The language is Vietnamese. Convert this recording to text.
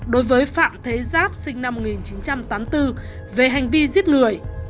đối với phạm thế giáp sinh năm một nghìn chín trăm tám mươi bốn về hành vi giết người